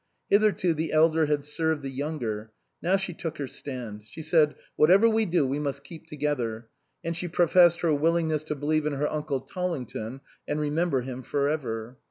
Hitherto the elder had served the younger ; now she took her stand. She said, " Whatever we do, we must keep together "; and she professed her willing ness to believe in her uncle Tollington and remember him for ever.